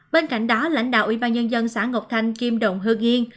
bên cạnh đó lãnh đạo ủy ban nhân dân xã ngọc thanh kim động hưng yên